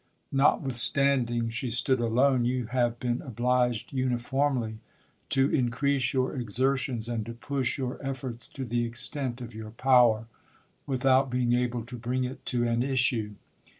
Notwithstanding she stood alone, you have been obliged uniformly to increase your exertions, and to push your efforts to the extent of your power, without being able to bring it to an issue.